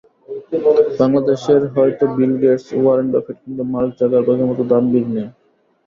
বাংলাদেশের হয়তো Bill Gates, Warren Buffett কিংবা মার্ক জাকারবার্গের মতো দানবীর নেই।